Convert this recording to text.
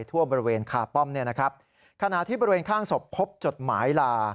ทั่วบริเวณคาป้อมเนี่ยนะครับขณะที่บริเวณข้างศพพบจดหมายลา